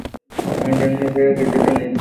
আমি জানি সে কিছুটা নির্বোধ।